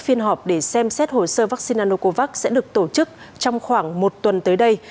phiên họp để xem xét hồ sơ vaccine nanocovax sẽ được tổ chức trong khoảng một tuần tới đây